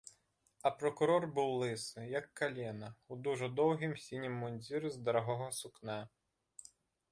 А пракурор быў лысы, як калена, у дужа доўгім сінім мундзіры з дарагога сукна.